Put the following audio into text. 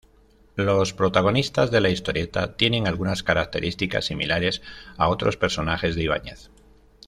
Los protagonistas de la historieta tienen algunas características similares a otros personajes de Ibáñez.